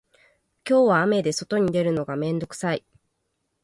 今日は雨で外に出るのが面倒くさい